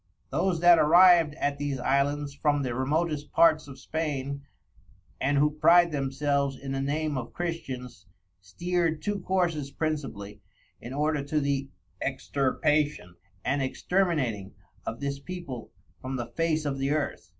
Those that arriv'd at these Islands from the remotest parts of Spain, and who pride themselves in the Name of Christians, steer'd Two courses principally, in order to the Extirpation, and Exterminating of this People from the face of the Earth.